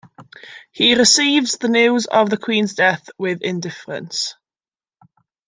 He receives the news of the Queen's death with indifference.